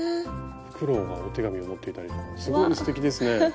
フクロウがお手紙を持っていたりとかすごいすてきですね。